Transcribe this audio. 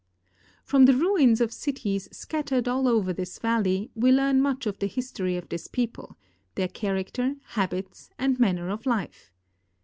From the ruins of cities scattered all over this valley, we learn much of the history of this people, their character, habits, and manner of life.